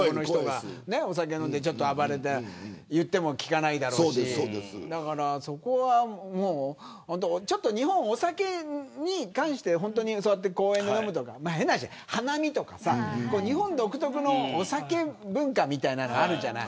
お酒飲んで暴れたり言っても聞かないだろうしだからそこは日本はお酒に関して変な話、花見とか日本独特のお酒文化みたいなのがあるじゃん。